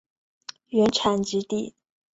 原产极地。